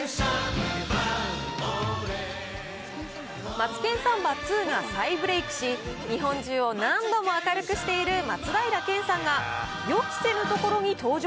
マツケンサンバ２が再ブレークし、日本中を何度も明るくしている松平健さんが、予期せぬところに登場。